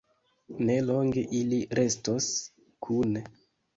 Ne longe ili restos kune.